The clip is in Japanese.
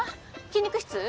筋肉質？